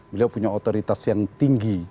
beliau punya otoritas yang tinggi